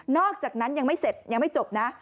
อกจากนั้นยังไม่เสร็จยังไม่จบนะ